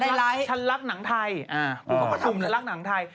อ๋อใดไลค์ใช่ไหมชนรักหนังไทยคุณเขาจะทำชนรักหนังไทย